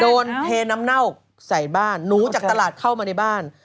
โดนเทน้ำเน่าใส่บ้านหนูจากตลาดเข้ามาในบ้าน